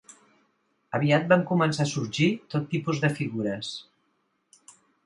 Aviat van començar a sorgir tot tipus de figures.